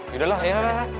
yaudah lah ya